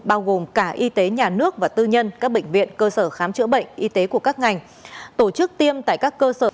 bao gồm cả y tế nhà nước và tư nhân các bệnh viện cơ sở khám chữa bệnh y tế của các ngành tổ chức tiêm tại các cơ sở